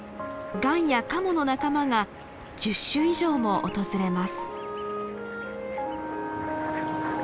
ガンやカモの仲間が１０種以上も訪れます。